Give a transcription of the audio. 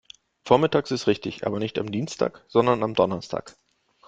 Vormittags ist richtig, aber nicht am Dienstag, sondern am Donnerstag.